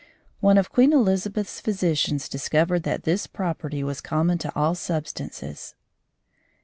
One of Queen Elizabeth's physicians discovered that this property was common to all substances.